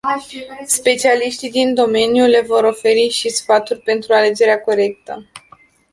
Specialiștii din domeniu le vor oferi și stafuri pentru alegerea corectă.